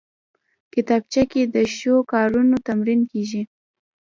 کتابچه کې د ښو کارونو تمرین کېږي